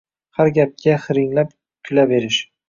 har gapga hingirlab kulaverish.